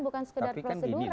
bukan sekedar prosedural